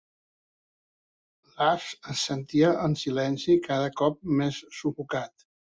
L'Alf assentia en silenci, cada cop més sufocat.